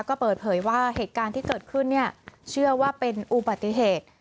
ก็เปิดเผยว่าเหตุการณ์ที่เกิดขึ้นเนี่ยเชื่อว่าเป็นอุบัติเหตุ